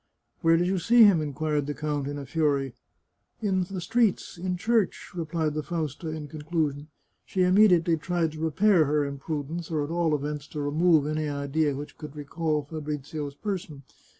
" Where do you see him ?" inquired the count in a fury. " In the streets, in church," replied the Fausta, in confusion. She immediately tried to repair her imprudence, or at all events to remove any idea which could recall Fabrizio's person.